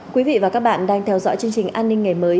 quý vị và các bạn đang theo dõi chương trình an ninh ngày mới